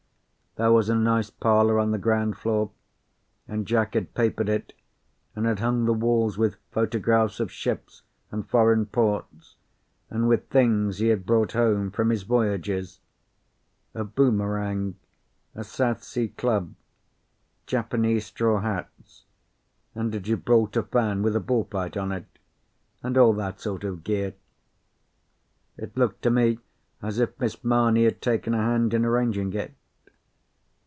There was a nice parlour on the ground floor, and Jack had papered it and had hung the walls with photographs of ships and foreign ports, and with things he had brought home from his voyages: a boomerang, a South Sea club, Japanese straw hats, and a Gibraltar fan with a bull fight on it, and all that sort of gear. It looked to me as if Miss Mamie had taken a hand in arranging it.